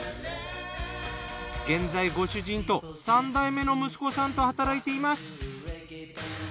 現在ご主人と三代目の息子さんと働いています。